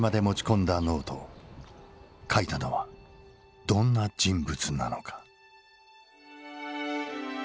書いたのはどんな人物なのか。